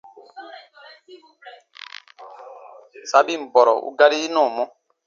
Sabin bɔrɔ u gari yi nɔɔmɔ.